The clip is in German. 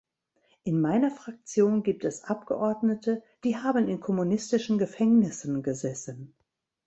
In meiner Fraktion gibt es Abgeordnete, die haben in kommunistischen Gefängnissen gesessen.